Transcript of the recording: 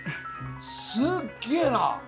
すっげえな！